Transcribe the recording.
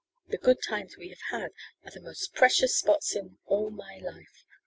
The good times we have had are the most precious spots in all my life.